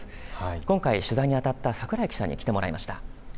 今回、取材にあたった櫻井記者に来てもらいました。